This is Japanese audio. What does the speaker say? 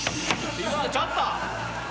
ちょっと！